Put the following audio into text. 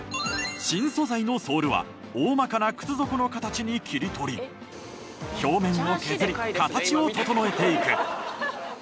新素材のソールは大まかな靴底の形に切り取り表面を削り形を整えていく。